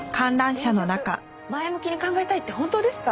転職前向きに考えたいって本当ですか？